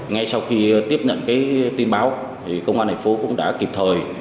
ngay sau khi tiếp nhận tin báo công an thành phố cũng đã kịp thời